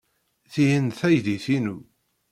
Tihin d taydit-inu.